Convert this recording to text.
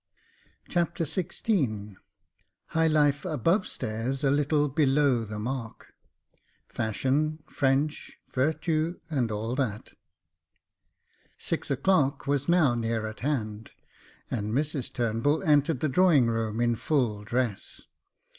Chapter XVI High life above stairs, a little below the mark — fashion, French, vertu and all that. Six o'clock was now near at hand, and Mrs Turnbull entered the drawing room in full dress.